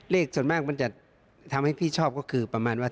ส่วนมากมันจะทำให้พี่ชอบก็คือประมาณว่า